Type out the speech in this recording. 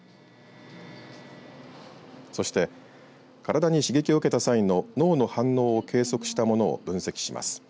そして体に刺激を受けた際の脳の反応を計測したものを分析します。